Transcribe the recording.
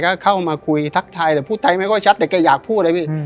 ก็เข้ามาคุยทักทายแต่พูดไทยไม่ค่อยชัดแต่แกอยากพูดอะไรพี่